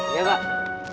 sampai jumpa muda ga